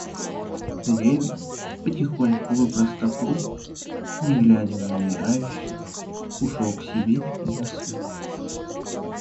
Левин, потихоньку выпростав руку, не глядя на умирающего, ушел к себе и заснул.